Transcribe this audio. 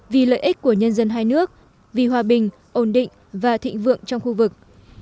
vì lợi ích của nhân dân hai nước vì hòa bình ổn định và thịnh vượng trong khu vực